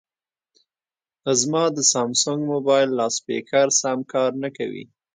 زما د سامسنګ مبایل لاسپیکر سم کار نه کوي